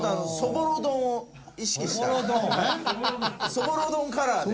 そぼろ丼カラーで。